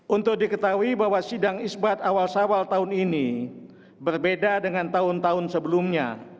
untuk diketahui bahwa sidang isbat awal sawal tahun ini berbeda dengan tahun tahun sebelumnya